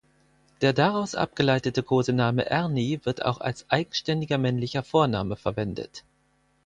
Der daraus abgeleitete Kosename Ernie wird auch als eigenständiger männlicher Vorname verwendet.